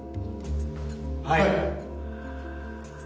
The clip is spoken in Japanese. はい！